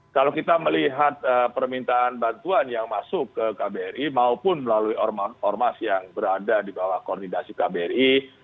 kalau kita melihat permintaan bantuan yang masuk ke kbri maupun melalui ormas ormas yang berada di bawah koordinasi kbri